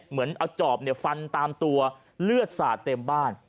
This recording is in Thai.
เหมือนเอาจอบฟันตามตัวเลือดสาดเต็มบ้าน